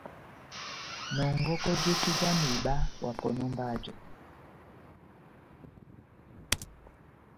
Nɔngɔkɔ joki jáh mihiba wa pɔnɔ mba jɔ.